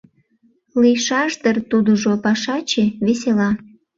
Лийшаш дыр тудыжо пашаче, весела.